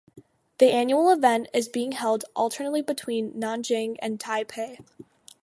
The annual event is being held alternately between Nanjing and Taipei.